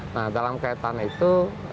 nah dalam kaitan itu